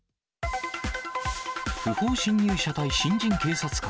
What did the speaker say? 不法侵入者ＶＳ新人警察官。